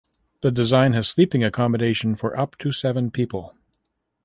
The design has sleeping accommodation for up to seven people.